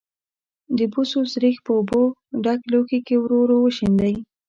د بوسو سريښ په اوبو ډک لوښي کې ورو ورو وشیندئ.